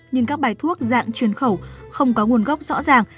nhưng các bài thuốc dạng truyền khẩu không có nguồn gốc rõ ràng